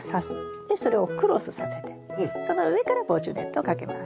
でそれをクロスさせてその上から防虫ネットをかけます。